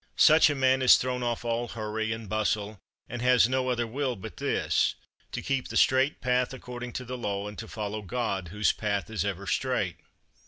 Such a man has thrown off all hurry and bustle; and has no other will but this, to keep the straight path according to the law, and to follow God whose path is ever straight.